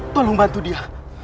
tolong bantu dia